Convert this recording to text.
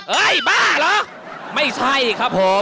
เอ้ยบ้าเหรอไม่ใช่ครับผม